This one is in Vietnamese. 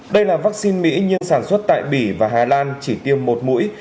đây là vaccine mỹ nhiên sản xuất tại bỉ và hà lan chỉ tiêm một mũi